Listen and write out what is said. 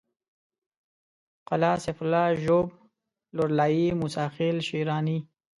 قلعه سيف الله ژوب لورلايي موسی خېل شېراني